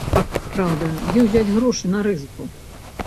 Праўда, дзе ўзяць грошы на рызыку?